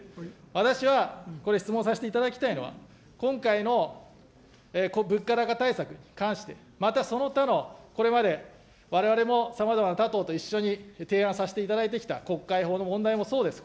私はこれ、質問させていただきたいのは、今回の物価高対策に関して、また、その他の、これまでわれわれもさまざまな他党と一緒に提案させていただいてきた国会法の問題もそうです。